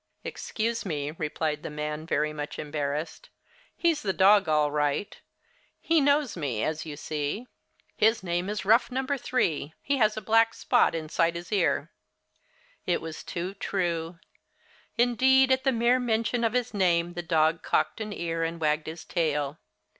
"Excuse me," replied the man, very much embarrassed, "he's the dog, all right. He knows me, as you see. His name is Rough No. 3. He has a black spot inside his ear." It was too true. Indeed, at the mere mention of his name the dog cocked an ear and wagged his tail.